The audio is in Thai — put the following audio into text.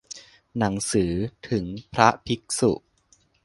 หนังสือถึงพระภิกษุ